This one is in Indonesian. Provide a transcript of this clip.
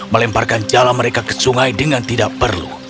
melemparkan jalan mereka ke sungai dengan tidak perlu